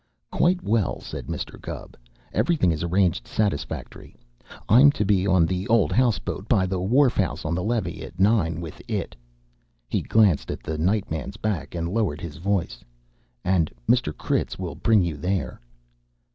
"Quite well," said Mr. Gubb. "Everything is arranged satisfactory. I'm to be on the old house boat by the wharf house on the levee at nine, with it." He glanced at the night man's back and lowered his voice. "And Mr. Critz will bring you there."